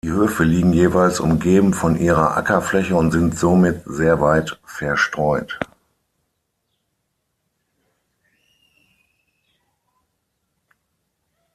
Die Höfe liegen jeweils umgeben von ihrer Ackerfläche und somit sehr weit verstreut.